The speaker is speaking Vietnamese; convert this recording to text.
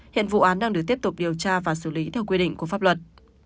hiện vụ án đang được tiếp tục điều tra và xử lý theo quy định của pháp luật